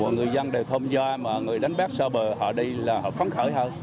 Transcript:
người dân đều thông gia mà người đánh bắt sơ bờ họ đi là họ phán khởi hơn